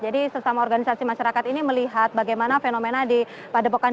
jadi sesama organisasi masyarakat ini melihat bagaimana fenomena di padepokan